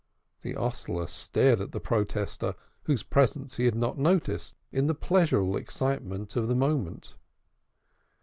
The hostler stared at the protester, whose presence he had not noticed in the pleasurable excitement of the moment.